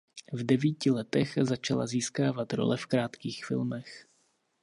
V devíti letech začala získávat role v krátkých filmech.